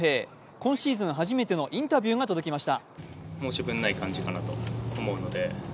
今シーズン初めてのインタビューが届きました。